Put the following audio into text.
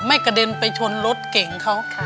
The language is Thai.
กระเด็นไปชนรถเก่งเขา